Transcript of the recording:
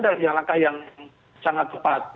dan yang langkah yang sangat cepat